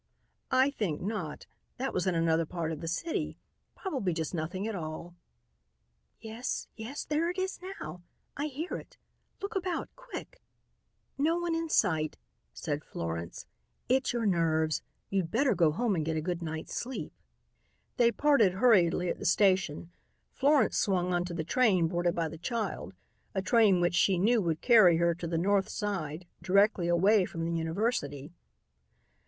"I think not. That was in another part of the city. Probably just nothing at all." "Yes, yes, there it is now. I hear it. Look about quick." "No one in sight," said Florence. "It's your nerves. You'd better go home and get a good night's sleep." They parted hurriedly at the station. Florence swung onto the train boarded by the child, a train which she knew would carry her to the north side, directly away from the university.